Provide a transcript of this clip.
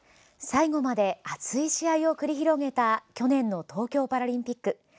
最後まで熱い試合を繰り広げた去年の東京パラリンピック。